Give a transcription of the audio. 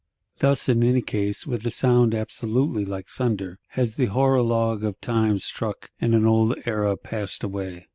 Thus, in any case, "with a sound absolutely like thunder," has the Horologe of Time struck, and an old Era passed away.